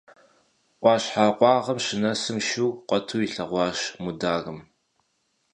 Ӏуащхьэ къуагъым щынэсым шур къуэту илъэгъуащ Мударым.